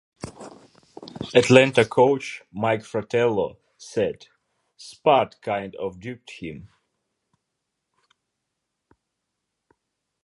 Atlanta coach Mike Fratello said, Spud kind of duped him.